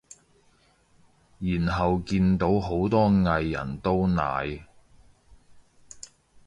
然後見到好多藝人都奶